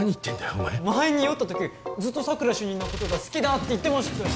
お前前に酔った時ずっと佐久良主任のことが好きだって言ってました